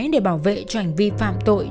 để bảo vệ cho hành vi phạm tội